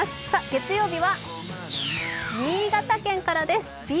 月曜日は新潟県からです。